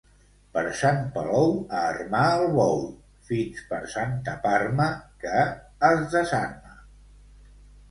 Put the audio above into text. Per Sant Palou, a armar el bou, fins per Santa Parma que es desarma.